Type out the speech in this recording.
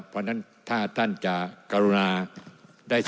เพราะฉะนั้นถ้าท่านจะกรุณาได้